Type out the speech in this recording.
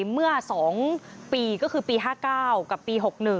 เมื่อ๒ปีก็คือปี๕๙กับปี๖๑